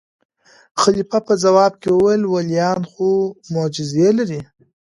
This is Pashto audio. خلیفه په ځواب کې وویل: ولیان خو معجزې لري.